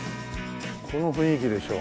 この雰囲気でしょう。